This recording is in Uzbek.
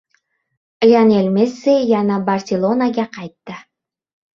Lionel Messi yana Barselonaga qaytdi